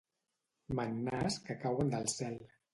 Mannàs que cauen del cel.